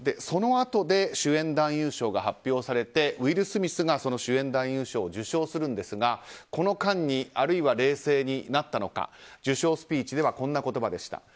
そのあとに主演男優賞が発表されてウィル・スミスがその主演男優賞を受賞するんですが、この間にあるいは冷静になったのか受賞スピーチではこんな言葉でした。